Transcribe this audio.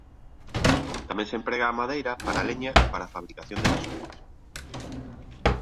Tamén se emprega a madeira para leña e para a fabricación de vasoiras.